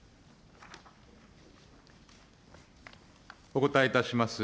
お答えいたします。